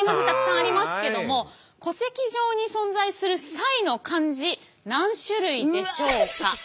たくさんありますけども戸籍上に存在する「サイ」の漢字何種類でしょうか？